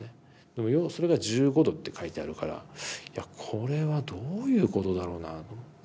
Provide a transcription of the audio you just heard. でもそれが「１５°」って書いてあるから「いやこれはどういうことだろうな」と思って。